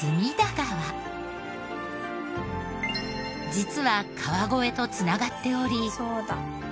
実は川越と繋がっており。